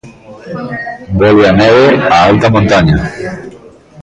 Volve a neve á alta montaña.